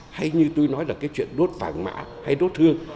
hay như tôi nói là cái chuyện đốt vàng mã hay đốt thương